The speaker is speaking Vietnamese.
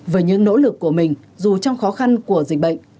với những nỗ lực của mình dù trong khó khăn của dịch bệnh